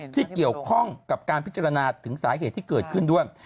ที่เกี่ยวข้องกับการพิจารณาถึงสาเหตุที่เกิดขึ้นด้วย